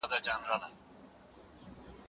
اتیا او لس؛ نیوي کېږي.